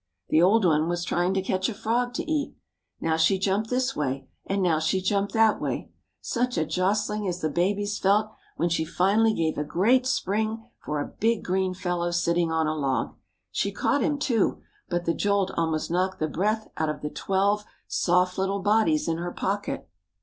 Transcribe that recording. The old one was trying to catch a frog to eat. Now she jumped this way, and now she jumped that way. Such a jostling as the babies felt when she finally gave a great spring for a big green fellow sitting on a log. She caught him, too, but the jolt almost knocked the breath out of the twelve soft little bodies in her pocket.